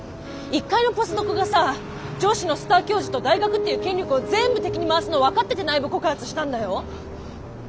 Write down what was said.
一介のポスドクがさ上司のスター教授と大学っていう権力をぜんぶ敵に回すの分かってて内部告発したんだよ。